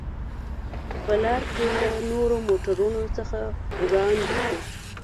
په لار کې له نورو موټرو څخه وړاندې شوو.